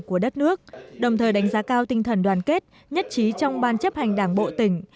của đất nước đồng thời đánh giá cao tinh thần đoàn kết nhất trí trong ban chấp hành đảng bộ tỉnh